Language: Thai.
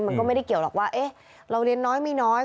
มันก็ไม่ได้เกี่ยวหรอกว่าเราเรียนน้อยไม่น้อย